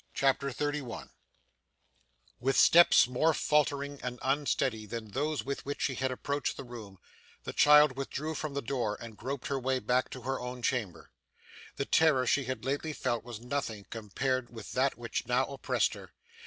CHAPTER 31 With steps more faltering and unsteady than those with which she had approached the room, the child withdrew from the door, and groped her way back to her own chamber. The terror she had lately felt was nothing compared with that which now oppressed her.